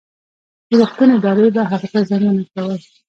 د روغتون ادارې به هغه ته زنګونه کول.